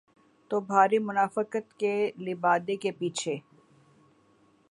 تو بھاری منافقت کے لبادے کے پیچھے۔